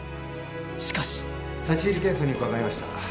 ［しかし］立入検査に伺いました。